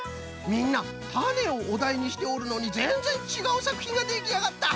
みんなたねをおだいにしておるのにぜんぜんちがうさくひんができあがった！